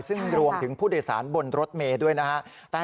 ซึ่งรวมถึงผู้โดยสารบ่นรสเมตรด้วยนะครับ